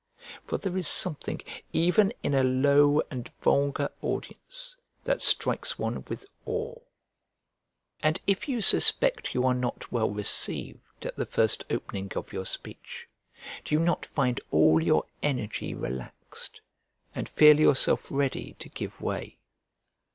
for there is something even in a low and vulgar audience that strikes one with awe. And if you suspect you are not well received at the first opening of your speech, do you not find all your energy relaxed, and feel yourself ready to give way?